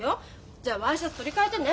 じゃワイシャツ取り替えてね。